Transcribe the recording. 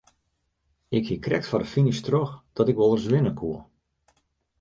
Ik hie krekt foar de finish troch dat ik wol ris winne koe.